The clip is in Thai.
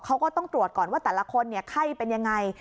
เขาก็ต้องตรวจก่อนว่าแต่ละคนไข้เป็นยังไง